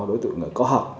đối tượng là có học